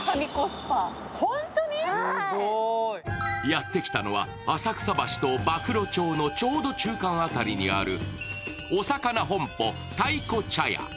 やってきたのは浅草橋と白楽町のちょうど中間辺りにあるおさかな本舗たいこ茶屋。